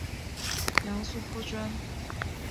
杨素颇专。